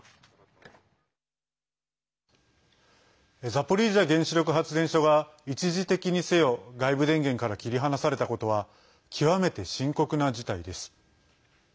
ザポリージャ原子力発電所が一時的にせよ外部電源から切り離されたことは極めて深刻な事態です。